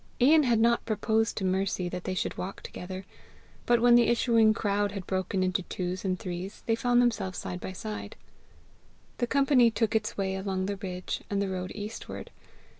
Ian had not proposed to Mercy that they should walk together; but when the issuing crowd had broken into twos and threes, they found themselves side by side. The company took its way along the ridge, and the road eastward.